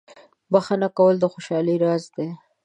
• بخښنه کول د خوشحالۍ راز دی.